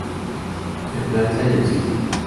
En Francia y en Suiza.